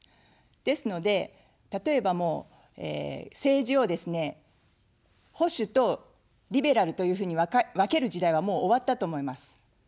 ですので、例えばもう、政治をですね、保守とリベラルというふうに分ける時代は、もう終わったと思います。